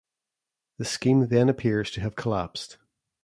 The scheme then appears to have collapsed.